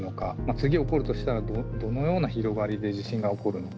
次起こるとしたらどのような広がりで地震が起こるのか。